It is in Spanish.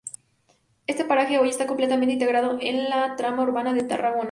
Este paraje hoy está completamente integrado en la trama urbana de Tarragona.